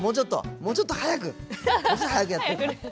もうちょっと早くやって！